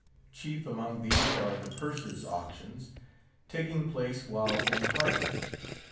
Chief among these are the Purser's auctions, taking place while in harbour.